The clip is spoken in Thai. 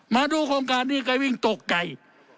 มาดูโครงการนี้ก็วิ่งตกใจ